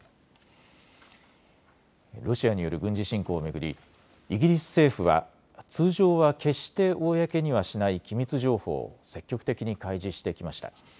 ロシアによる軍事侵攻を巡り、イギリス政府は通常は決して公にはしない機密情報を積極的に開示してきました。